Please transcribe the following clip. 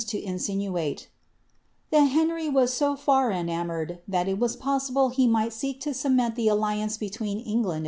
lo inEinuate, " ihal Henry was so fer etianioureJ, Ihai it vras possible U niiglii seek lo cement ihe alliance between England a.n